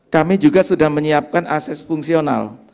kami juga sudah menyiapkan ases fungsional